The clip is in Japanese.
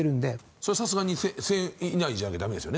それさすがに１０００以内じゃなきゃダメですよね？